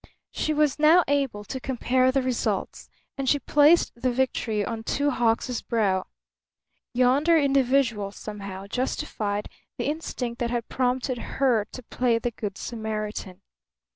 She was now able to compare the results, and she placed the victory on Two Hawks' brow. Yonder individual somehow justified the instinct that had prompted her to play the good Samaritan.